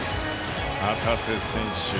旗手選手。